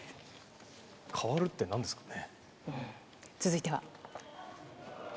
変わるって、なんですかね？